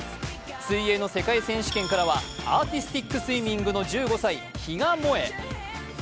水泳の世界選手権からはアーティスティックスイミングの１５歳、比嘉もえ。